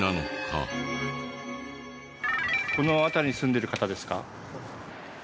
この辺りに住んでる方ですか？